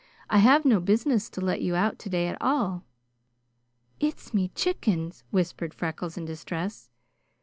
"I have no business to let you out today at all." "It's me chickens," whispered Freckles in distress.